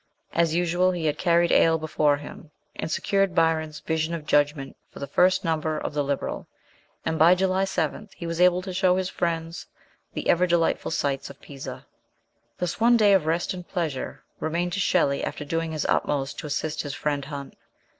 As usual, he had carried ail before him, and secured Byron's ''Vision of Judgment " for the first number of the Liberal, and by July 7 he was able to show his friends the ever delightful sights of Pisa. Thus one day of rest and pleasure remained to Shelley after doing his utmost to assist his friend Hunt.